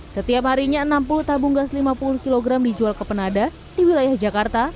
setiap harinya enam puluh tabung gas lima puluh kg dijual ke penada di wilayah jakarta